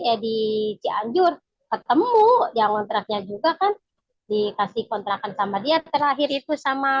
edi cianjur ketemu yang kontraknya juga kan dikasih kontrakan sama dia terakhir itu sama